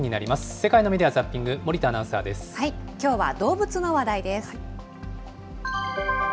世界のメディア・ザッピング、きょうは動物の話題です。